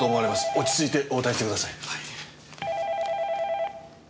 落ち着いて応対してください。